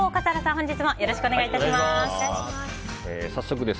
本日もよろしくお願いいたします。